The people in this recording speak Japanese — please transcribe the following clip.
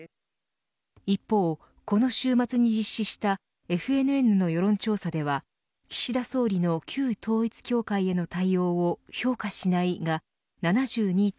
一方、この週末に実施したＦＮＮの世論調査では岸田総理の旧統一教会への対応を評価しないが７２．７％。